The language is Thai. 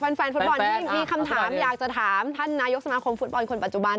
นี่มีคำถามอยากจะถามท่านนายกสมาคมฝุ่นปอลคนปัจจุบัน